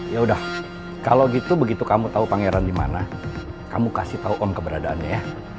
ya udah kalau gitu begitu kamu tau pangeran di mana kamu kasih tau om keberadaannya ya